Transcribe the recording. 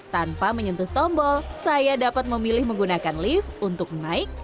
tanpa menyentuh tombol saya dapat memilih menggunakan lift untuk naik